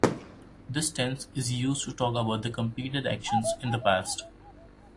This tense is used to talk about completed actions in the past.